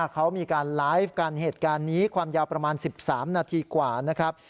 เขามีการไลฟ์กันเหตุการณ์นี้ความยาวประมาณ๑๓นาทีกว่านะครับ